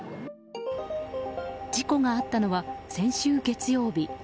事故があったのは先週月曜日。